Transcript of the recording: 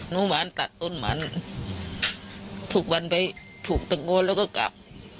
นุมานตัดต้นมันทุกวันไปถูกตะโกนแล้วก็กลับ